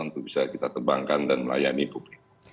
untuk bisa kita tebangkan dan melayani publik